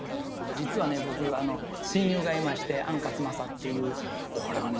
実は僕親友がいまして安克昌っていうこれはね